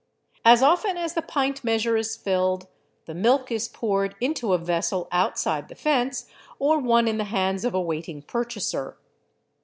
As often as the pint measure is filled, the milk is poured into a vessel outside the fence or one in the hands of a waiting purchaser.